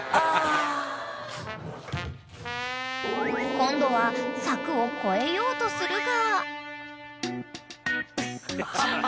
［今度は柵を越えようとするが］